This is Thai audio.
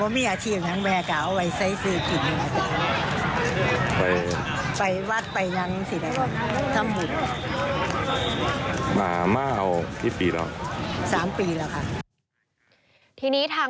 ทีนี้ทางฝั่งของเจ้าบ้านที่นี่นะครับ